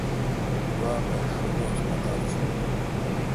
دوا بہ ݭہ دوس پتا چویں